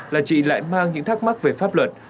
là chị lại mang những thắc mắc về pháp luật